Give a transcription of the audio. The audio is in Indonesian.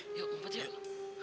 kita ngumpet aja deh